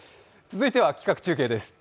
続いては企画中継です。